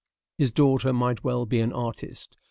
His daughter might well be an artist.